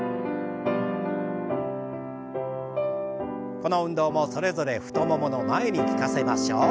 この運動もそれぞれ太ももの前に効かせましょう。